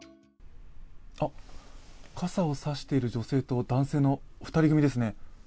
傘を差してる女性と男性の２人組ですね。